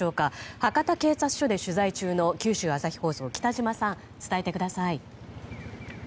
博多警察署で取材中の九州朝日放送の北島さん、伝えてください。